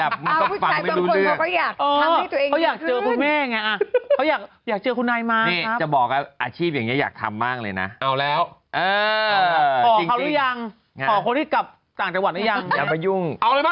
เผาคนที่กลับส่างจังหวัดได้ยัง